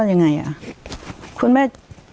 ของคุณแม่